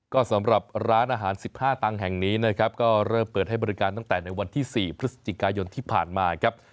ก็สำหรับร้านอาหาร๑๕ตังค์แห่งนี้นะครับก็เริ่มเปิดให้บริการตั้งแต่ในวันที่๔พฤศจิกายนที่ผ่านมาครับ